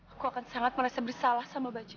aku akan sangat merasa bersalah sama baju